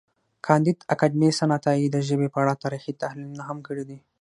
کانديد اکاډميسن عطایي د ژبې په اړه تاریخي تحلیلونه هم کړي دي.